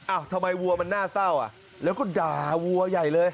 ทำไมวัวมันน่าเศร้าอ่ะแล้วก็ด่าวัวใหญ่เลย